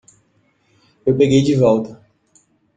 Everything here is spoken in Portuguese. Eu peguei de volta.